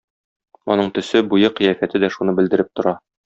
Аның төсе, буе, кыяфәте дә шуны белдереп тора.